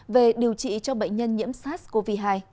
về điều trị cho bệnh nhân nhiễm sars cov hai